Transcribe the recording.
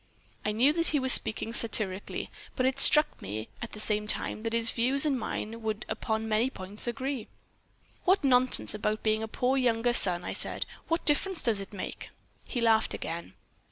"I knew that he was speaking satirically, but it struck me, at the same time, that his views and mine would upon many points agree. "'What nonsense about being a poor younger son,' I said. 'What difference does it make?' "He laughed again.